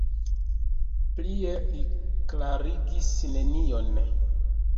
Plie li klarigis nenion.